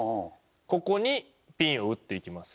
ここにピンを打っていきます。